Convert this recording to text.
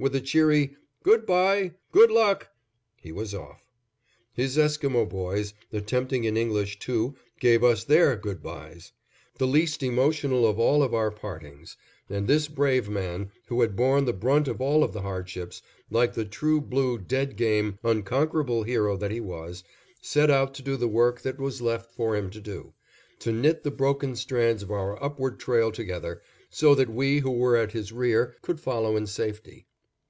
with a cheery "Good by! Good Luck!" he was off. His Esquimo boys, attempting in English, too, gave us their "Good bys." The least emotional of all of our partings; and this brave man, who had borne the brunt of all of the hardships, like the true blue, dead game, unconquerable hero that he was, set out to do the work that was left for him to do; to knit the broken strands of our upward trail together, so that we who were at his rear could follow in safety.